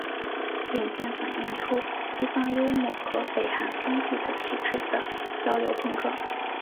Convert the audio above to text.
影片反映出西方幽默与北韩封闭的体制的交流碰撞。